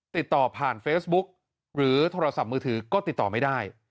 ติดต่อผ่านเฟซบุ๊กหรือโทรศัพท์มือถือก็ติดต่อไม่ได้